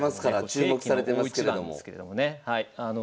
注目されてますけれども。